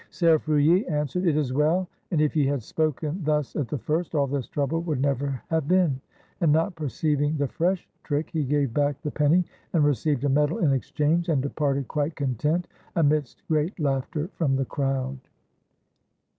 Ser FrulU answered, " It is well, and if ye had spoken thus at the first, all this trouble would never have been." And not perceiving the fresh trick, he gave back the penny and received a medal in exchange and departed quite content, amidst great laughter from the crowd.